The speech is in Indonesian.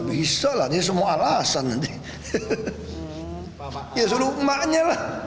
bisa lah ini semua alasan nanti ya suruh emaknya lah